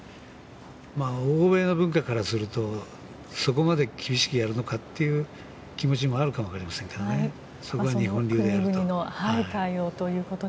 欧米の文化からするとそこまで厳しくやるのかという気持ちもあるのかわかりませんがそこが日本流であると。